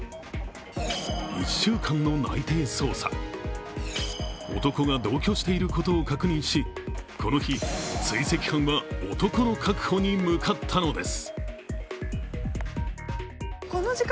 １週間の内偵捜査、男が同居していることを確認しこの日、追跡班は男の確保に向かったのです。